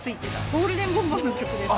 ゴールデンボンバーの曲です。